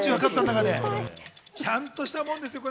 ちゃんとしたもんです。